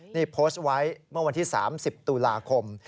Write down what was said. นี่โพสต์ไว้เมื่อวันที่๓๐ตุลาคม